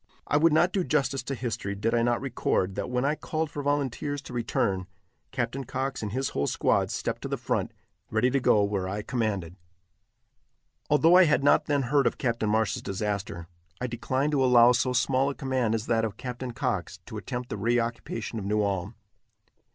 I would not do justice to history did I not record, that, when I called for volunteers to return, Captain Cox and his whole squad stepped to the front, ready to go where I commanded. Although I had not then heard of Captain Marsh's disaster, I declined to allow so small a command as that of Captain Cox to attempt the reoccupation of New Ulm.